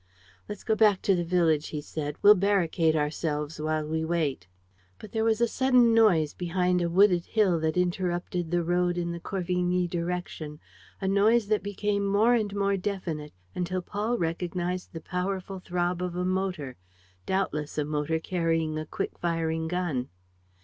"Let's go back to the village," he said. "We'll barricade ourselves while we wait." But there was a sudden noise behind a wooded hill that interrupted the road in the Corvigny direction, a noise that became more and more definite, until Paul recognized the powerful throb of a motor, doubtless a motor carrying a quick firing gun.